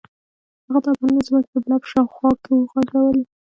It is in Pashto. هغه دا بمونه زموږ د بلاک په شاوخوا کې وغورځول